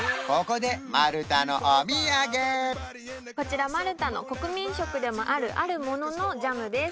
こちらマルタの国民食でもあるあるもののジャムです